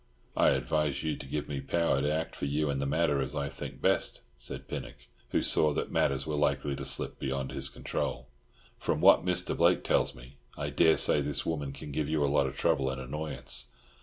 "I advise you to give me power to act for you in the matter as I think best," said Pinnock, who saw that matters were likely to slip beyond his control. "From what Mr. Blake tells me, I daresay this woman can give you a lot of trouble and annoyance.